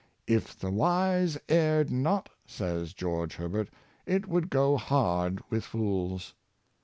" If the wise erred not," says George Herbert, ''it would go hard with fools."